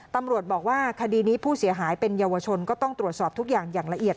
ตำรวจบอกว่าคดีนี้ผู้เสียหายเป็นเยาวชนก็ต้องตรวจสอบทุกอย่างอย่างละเอียด